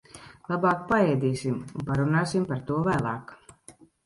Labāk paēdīsim un parunāsim par to vēlāk.